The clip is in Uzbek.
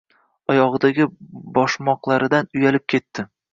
Oyog`idagi bogshmoqlaridan uyalib ketdi